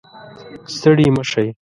ستړي مه شئ